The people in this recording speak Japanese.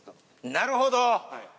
なるほど！